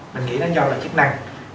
mình nghĩ nó do chức năng